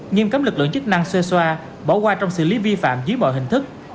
nghiêm cấm lực lượng chức năng sơ xoa bỏ qua trong xử lý vi phạm dưới mọi hình thức